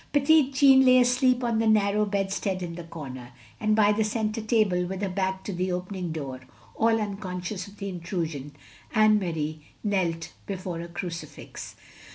Petit Jean lay aslecfp on the narrow bedstead in the comer; and by the centre table, with her back to the opening door, all tinconscious of in trusion, Anne Marie knelt before a crucifix.